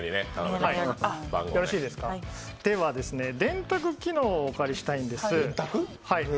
では、電卓機能をお借りしたいんです。